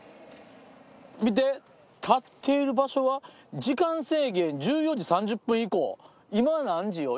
見て「建っている場所は？時間制限１４時３０分以降」。